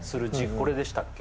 これでしたっけ？